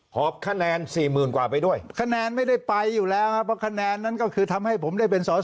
หอบคะแนนสี่หมื่นกว่าไปด้วยคะแนนไม่ได้ไปอยู่แล้วครับเพราะคะแนนนั้นก็คือทำให้ผมได้เป็นสอสอ